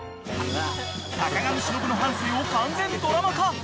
坂上忍の半生を完全ドラマ化。